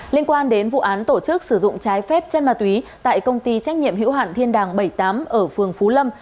liên quan đến vụ án tổ chức sử dụng trái phép chân ma túy tại công ty trách nhiệm hữu hạn thiên đàng bảy mươi tám ở phường phú lâm